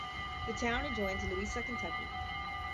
The town adjoins Louisa, Kentucky.